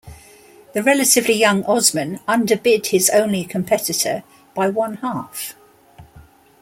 The relatively young Osman underbid his only competitor by one-half.